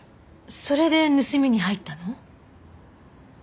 それで盗みに入ったの？